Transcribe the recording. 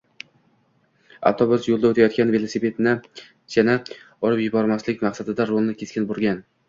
Avtobus yo‘lda o‘tayotgan velosipedchini urib yubormaslik maqsadida rulni keskin burgan